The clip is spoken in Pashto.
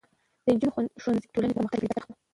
د نجونو ښوونځی د ټولنې د پرمختګ کلیدي برخه ده.